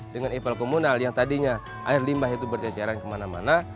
dengan ipal komunal yang tadinya air limbah itu berceceran kemana mana